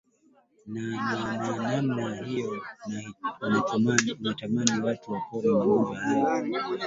na na na namna hiyo unatamani watu wapone magonjwa yao